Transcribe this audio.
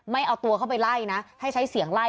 ไม่เอาตัวเข้าไปไล่นะให้ใช้เสียงไล่